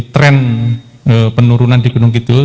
tren penurunan di gunung kidul